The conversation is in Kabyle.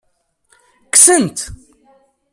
Kksen-t.